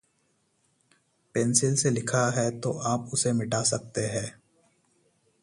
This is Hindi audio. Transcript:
पेन्सिल से लिखा है, तो आप उसे मिटा सकते हैं।